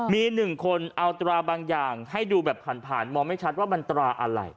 มี๑คนเอาตราบางอย่างให้ดูแบบผ่านมองไม่ชัดว่ามันตราอะไร